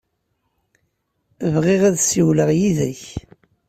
Bɣiɣ ad ssiwleɣ yid-k.